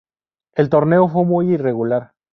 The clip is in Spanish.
El torneo fue muy irregular.